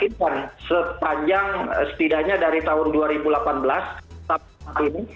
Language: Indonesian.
untuk meyakinkan setidaknya dari tahun dua ribu delapan belas sampai hari ini